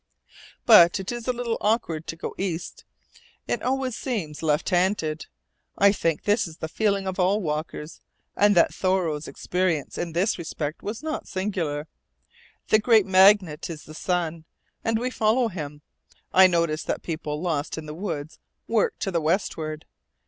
But it is a little awkward to go east. It always seems left handed. I think this is the feeling of all walkers, and that Thoreau's experience in this respect was not singular. The great magnet is the sun, and we follow him. I notice that people lost in the woods work to the westward.